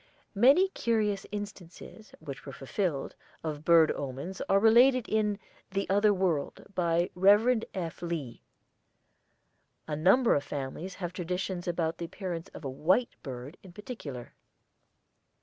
Many curious instances, which were fulfilled, of bird omens are related in "The Other World," by Rev. F. Lee. A number of families have traditions about the appearance of a white bird in particular.